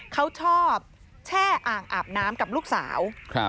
เขาชอบแช่อ่างอาบน้ำกับลูกสาว